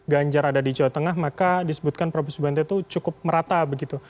ganjar ada di jawa tengah maka disebutkan provinsi banten itu cukup merata begitu